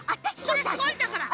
これすごいんだから。